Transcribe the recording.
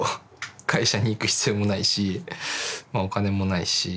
会社に行く必要もないしお金もないし。